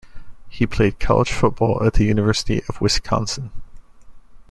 He played college football at the University of Wisconsin.